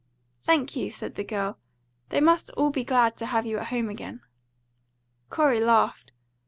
"Thank you," said the girl. "They must all be glad to have you at home again." Corey laughed.